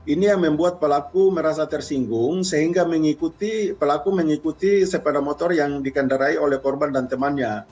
ini yang membuat pelaku merasa tersinggung sehingga mengikuti pelaku mengikuti sepeda motor yang dikendarai oleh korban dan temannya